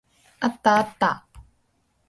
あったあった。